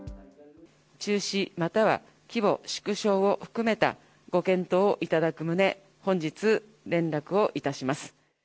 中止または規模縮小を含めたご検討をいただく旨、本日、連絡をいたします。